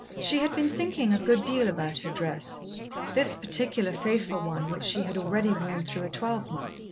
She had been thinking a good deal about her dress this particular faithful one which she had already worn through a twelvemonth.